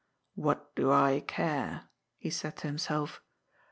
" What do I care ?" he said to himself.